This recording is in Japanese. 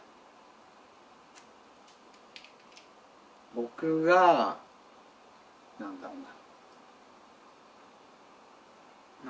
僕が何だろうな。